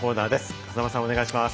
風間さんお願いします。